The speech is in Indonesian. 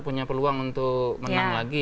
punya peluang untuk menang lagi